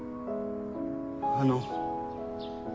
あの。